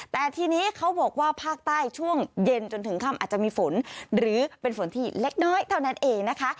แต่ทีนี้เขาบอกว่าภาคใต้ช่วงเย็นจนถึงค่ำอาจจะมีฝนหรือเป็นฝนที่เล็กน้อยเท่านั้นเองนะคะ